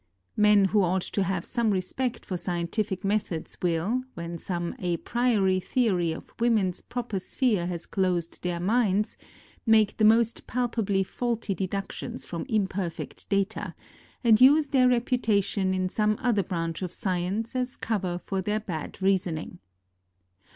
Men who ought to have some respect for scientific methods will, when some à priori theory of woman's proper sphere has closed their minds, make the most palpably faulty deductions from imperfect data, and use their reputation in some other branch of science as cover for their bad reasoning.